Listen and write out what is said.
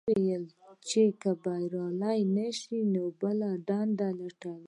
هغه دا نه وو ويلي چې که بريالی نه شو نو بله دنده لټوي.